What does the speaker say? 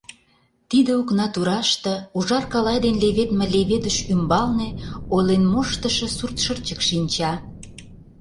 Тиде окна тураште, ужар калай дене леведме леведыш ӱмбалне Ойлен моштышо Суртшырчык шинча.